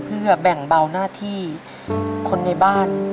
เพื่อแบ่งเบาหน้าที่คนในบ้าน